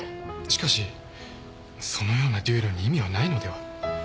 しかしそのような決闘に意味はないのでは？